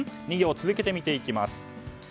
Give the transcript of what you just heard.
２行続けて見ていきます。